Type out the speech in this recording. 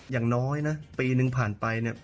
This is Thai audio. อย่างน้อยนะปีนึงผ่านไป